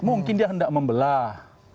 mungkin dia hendak membelah